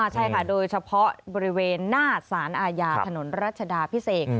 ใช่ค่ะโดยเฉพาะบริเวณหน้าสารอาญาถนนรัชดาพิเศษ